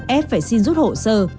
ép phải xin rút hộ sơ